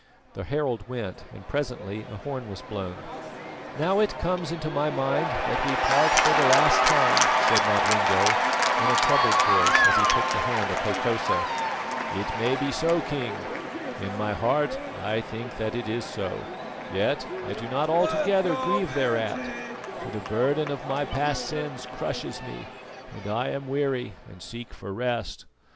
The herald went, and presently a horn was blown. "Now it comes into my mind that we part for the last time," said Nodwengo in a troubled voice as he took the hand of Hokosa. "It may be so, King; in my heart I think that it is so; yet I do not altogether grieve thereat, for the burden of my past sins crushes me, and I am weary and seek for rest.